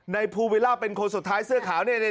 ภูวิลล่าเป็นคนสุดท้ายเสื้อขาวเนี่ย